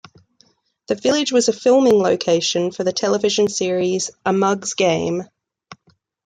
The village was a filming location for the television series A Mug's Game.